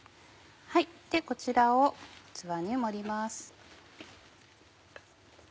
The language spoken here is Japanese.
こちらを器に盛ります。